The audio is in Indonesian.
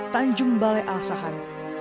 tanjung balai alasahan